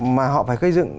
mà họ phải cây dựng